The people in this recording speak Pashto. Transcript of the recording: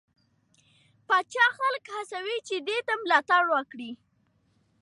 پاچا خلک هڅوي چې دې ده ملاتړ وکړي.